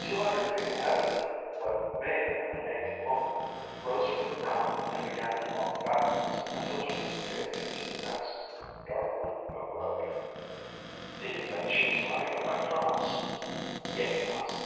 Two hundred feet ahead of them, what may have been a naked woman rose from the ground, and began to walk backwards until she disappeared into the next dark length of road. "Do you think she was running away from us?" Iimmi asked.